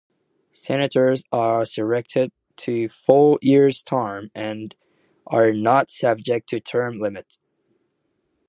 Senators are elected to four-year terms and are not subject to term limits.